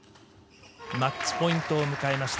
マッチポイントを迎えました。